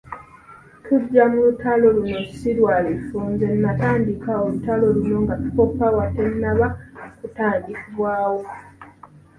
Tujja mu lutalo luno si lwa bifo, nze natandika olutalo luno nga People Power tennaba kutandikibwawo.